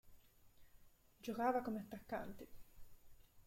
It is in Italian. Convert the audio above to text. Giocava come attaccante.